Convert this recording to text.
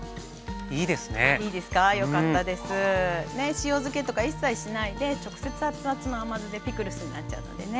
塩漬けとか一切しないで直接熱々の甘酢でピクルスになっちゃうのでね